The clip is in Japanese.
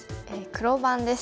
黒番です。